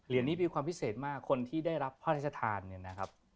นี้มีความพิเศษมากคนที่ได้รับพระราชทานเนี่ยนะครับ